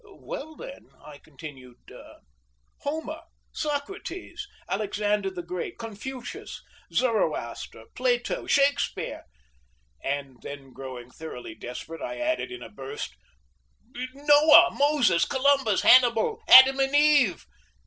"Well, then," I continued, "Homer, Socrates, Alexander the Great, Confucius, Zoroaster, Plato, Shakespeare." Then, growing thoroughly desperate, I added in a burst: "Noah, Moses, Columbus, Hannibal, Adam and Eve!"